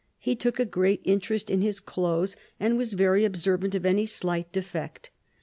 He took a great interest in his clothes, and was very observant of any slight defect.